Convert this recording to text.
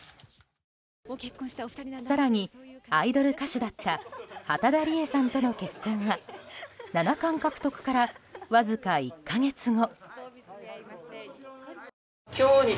更に、アイドル歌手だった畠田理恵さんとの結婚は七冠獲得から、わずか１か月後。